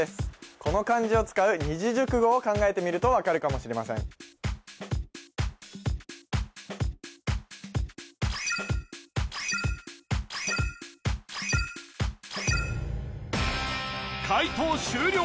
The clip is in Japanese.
この漢字を使う二字熟語を考えてみると分かるかもしれません解答終了